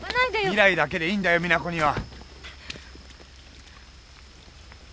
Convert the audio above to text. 未来だけでいいんだ実那子には！